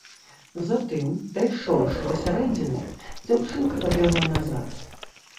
Затым, дайшоўшы да сярэдзіны, дзяўчынка пабегла назад.